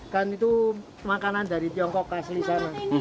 kan itu makanan dari tiongkok asli sana